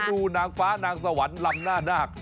ดูนางฟ้านางสวรรค์ลำหน้านาค